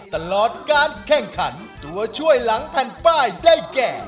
ตลอดการแข่งขันตัวช่วยหลังแผ่นป้ายได้แก่